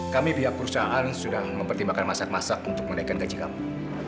kami pihak perusahaan sudah mempertimbangkan masak masak untuk menaikkan gaji kamu